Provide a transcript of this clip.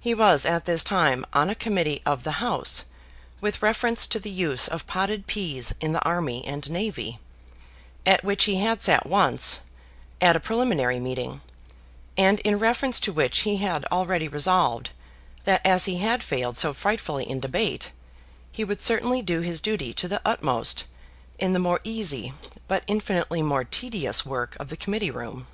He was at this time on a Committee of the House with reference to the use of potted peas in the army and navy, at which he had sat once, at a preliminary meeting, and in reference to which he had already resolved that as he had failed so frightfully in debate, he would certainly do his duty to the utmost in the more easy but infinitely more tedious work of the Committee Room.